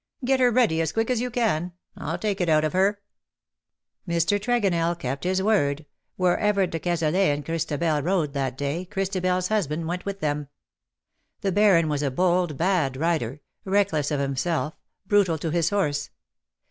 ''" Get her ready as quick as you can. 1^11 take it out of her." Mr. Tregonell kept his word. Wherever de Cazalet and Christabel rode that day, Christabel's husband went with them. The Baron was a bold, bad rider — reckless of himself, brutal to his horse.